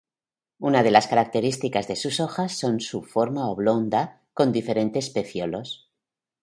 Una de las características de sus hojas son su forma oblonga con diferentes pecíolos.